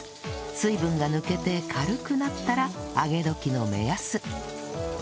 水分が抜けて軽くなったら上げ時の目安